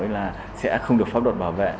thì là sẽ không được pháp luật bảo vệ